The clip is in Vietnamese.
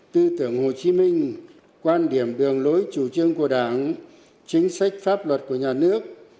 tư tưởng hồ chí minh quan điểm đường lối chủ trương của đảng chính sách pháp luật của nhà nước